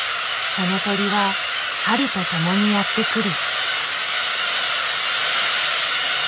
その鳥は春とともにやって来る。